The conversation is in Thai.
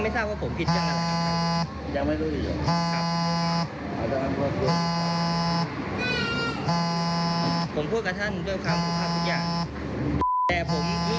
ไม่ทราบว่าเป็นอายาการจริงหรือเปล่า